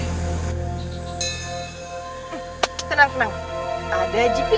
kenang kenang ada gps